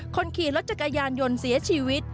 คนขี่รถจักรยานยนต์เสียชีวิต